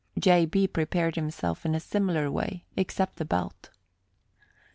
J. B. prepared himself in a similar way, except the belt.